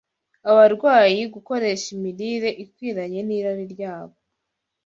abarwayi gukoresha imirire ikwiranye n’irari ryabo.